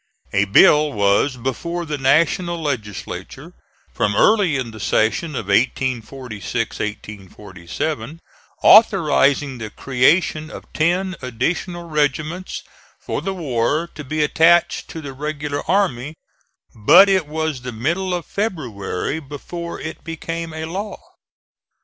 A bill was before the National Legislature from early in the session of 1846 7, authorizing the creation of ten additional regiments for the war to be attached to the regular army, but it was the middle of February before it became a law.